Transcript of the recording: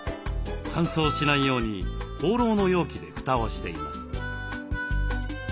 乾燥しないようにほうろうの容器で蓋をしています。